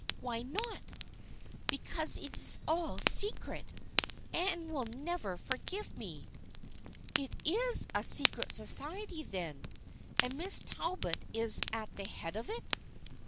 " "Why not?" " Because it is all a secret ! Anne will never forgive me." " It is a secret society, then, and Miss Talbot is at the head of it?"